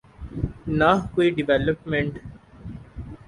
نہ کوئی ڈویلپمنٹ۔